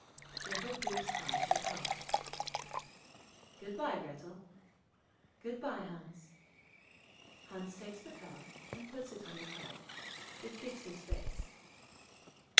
Grettel gives Hans a calf. 'Good bye, Grettel.' 'Good bye, Hans.' Hans takes the calf, and puts it on his head. It kicks his face.